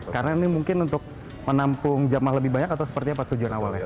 karena ini mungkin untuk menampung jamah lebih banyak atau seperti apa tujuan awalnya